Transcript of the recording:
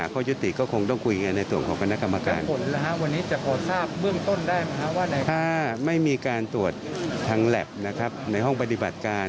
ก็ผลน่าจะเร็ว